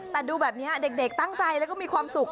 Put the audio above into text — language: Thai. แต่ดูแบบนี้เด็กตั้งใจแล้วก็มีความสุข